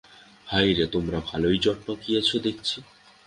হায়রে, তোমরা ভালোই জট পাকিয়েছ দেখছি।